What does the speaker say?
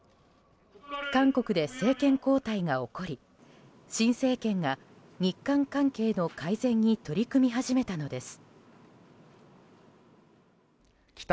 韓国で政権交代が起こり新政権が日韓関係の改善に取り組み始めたのです。